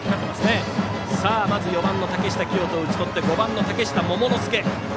４番の竹下聖人を打ち取って、５番の嶽下桃之介。